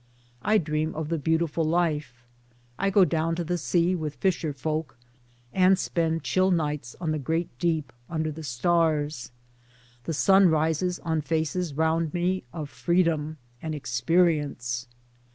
I dream of the beautiful life. I go down to the sea with fisher folk, and spend chill nights on the great deep under the stars ; the sun rises on faces round me of freedom and experience.